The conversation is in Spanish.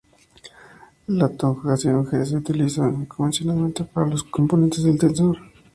La notación "g" se utiliza convencionalmente para las componentes del tensor.